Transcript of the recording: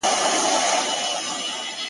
o زه په دې افتادګۍ کي لوی ګَړنګ یم.